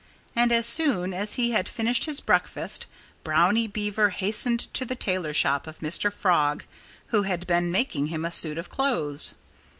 And as soon as he had finished his breakfast Brownie Beaver hastened to the tailor shop of Mr. Frog, who had been making him a suit of clothes.